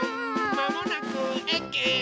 まもなくえき。